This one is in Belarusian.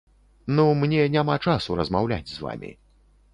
Ну, мне няма часу размаўляць з вамі.